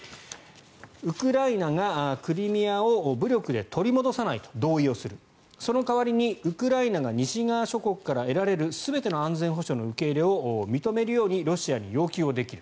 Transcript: ウクライナがクリミアを武力で取り戻さないと同意をするその代わりにウクライナが西側諸国から得られる全ての安全保障の受け入れを認めるようにロシアに要求できる。